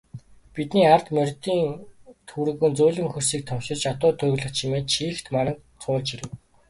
Бидний ард морьдын төвөргөөн зөөлөн хөрсийг товшиж, адуу тургилах чимээ чийгт мананг цуулж ирэв.